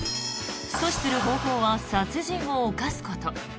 阻止する方法は殺人を犯すこと。